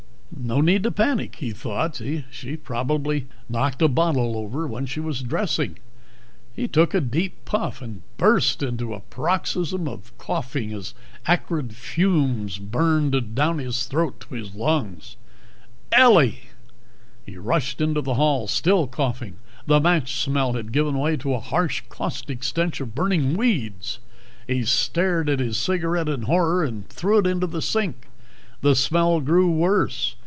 No need to panic, he thought. She probably knocked a bottle over when she was dressing. He took a deep puff, and burst into a paroxysm of coughing as acrid fumes burned down his throat to his lungs. "Ellie!" He rushed into the hall, still coughing. The match smell had given way to the harsh, caustic stench of burning weeds. He stared at his cigarette in horror and threw it into the sink. The smell grew worse.